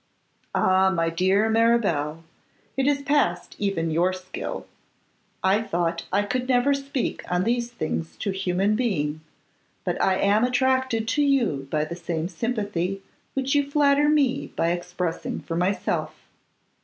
'Ah! my dear Mirabel, it is past even your skill. I thought I could never speak on these things to human being, but I am attracted to you by the same sympathy which you flatter me by expressing for myself.